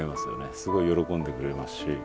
すごい喜んでくれますし。